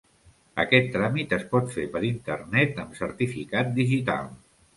Aquest tràmit es pot fer per internet amb certificat digital.